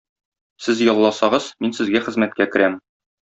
Сез ялласагыз, мин сезгә хезмәткә керәм.